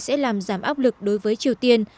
sẽ làm giảm áp lực đối với triều tiên